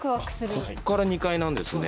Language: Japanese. こっから２階なんですね。